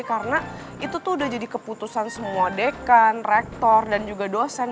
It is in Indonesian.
karena itu tuh udah jadi keputusan semua dekan rektor dan juga dosen